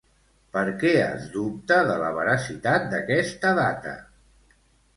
Per què es dubta de la veracitat d'aquesta data?